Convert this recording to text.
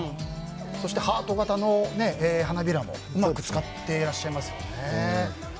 そして、ハート形の花びらもうまく使っていらっしゃいますね。